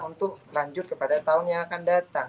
untuk lanjut kepada tahun yang akan datang